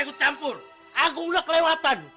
ikut campur agung dah kelewatan